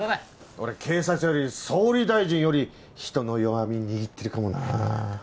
俺警察より総理大臣より人の弱み握ってるかもな。